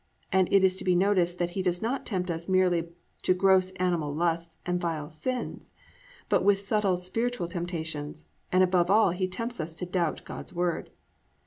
And it is to be noticed that he does not tempt us merely to gross animal lusts and vile sins, but with subtle spiritual temptations, and above all he tempts us to doubt God's Word.